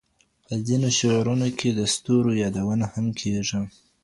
په ځینو شعرونو کې د ستورو یادونه هم کیږي.